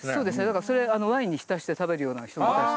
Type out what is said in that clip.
だからそれワインに浸して食べるような人もいたし。